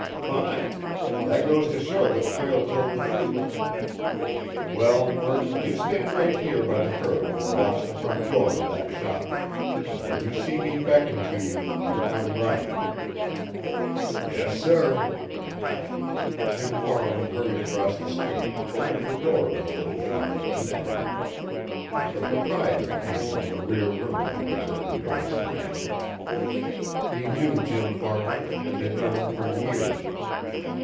"Fine! That goes to show that Prale told the truth. Well, Murk, you stand right here by the curb and watch the front door of that shop. And when you see me beckon to you, you come running." "Yes, sir." Jim Farland hurried across the street, opened the door of the little shop, and entered. The proprietor came from the rear room when he heard the door slammed. He knew Jim Farland and had known him for years.